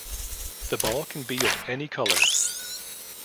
The ball can be of any colour.